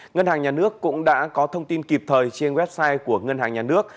ngân hàng nhà nước cũng đã có thông tin kịp thời trên website của ngân hàng nhà nước